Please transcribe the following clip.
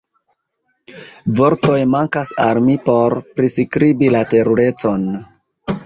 Vortoj mankas al mi por priskribi la terurecon.